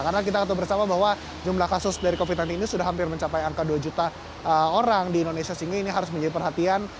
karena kita tahu bersama bahwa jumlah kasus dari covid sembilan belas ini sudah hampir mencapai angka dua juta orang di indonesia sehingga ini harus menjadi perhatian